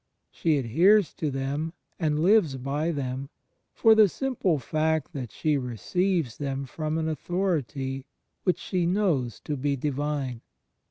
She adheres to them, and lives by them, for the simple fact that she receives them from an Authority which she knows to be Divine.